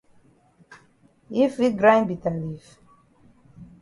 Yi fit grind bitter leaf?